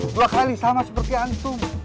dua kali sama seperti antung